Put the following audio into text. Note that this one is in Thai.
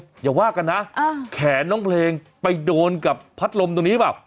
อย่าว่ากันนะแขนน้องเพลงไปโดนกับพัดลมตรงนี้หรือเปล่า